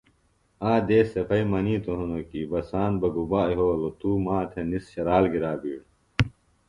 آ دیس سےۡ پھئیۡ منِیتوۡ ہنوۡ کیۡ ”بساند بہ گُبا یھولوۡ توۡ ما تھےۡ نِس شرال گِرا بہ بِیڑ“